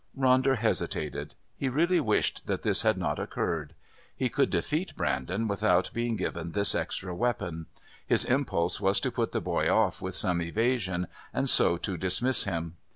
Ronder hesitated. He really wished that this had not occurred. He could defeat Brandon without being given this extra weapon. His impulse was to put the boy off with some evasion and so to dismiss him.